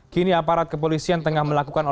kini aparat kepolisian tengah melakukannya